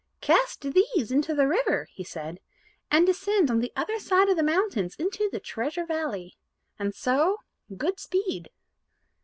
"Cast these into the river," he said, "and descend on the other side of the mountains into the Treasure Valley. And so good speed."